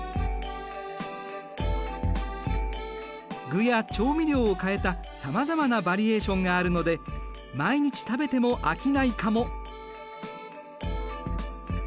具や調味料を変えたさまざまなバリエーションがあるので毎日食べても飽きないかも。